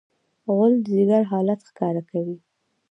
غول د ځیګر حالت ښکاره کوي.